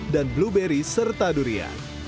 dan blueberry serta durian